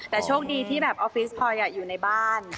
แต่โชคดีที่แบบออฟฟิศพอยอยู่ในบ้าน